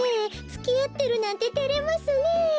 つきあってるなんててれますねえ。